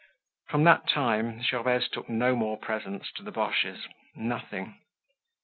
From that time Gervaise took no more presents to the Boches—nothing.